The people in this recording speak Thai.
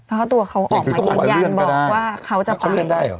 เพราะตัวเขาออกมายังยันบอกว่าเขาจะไป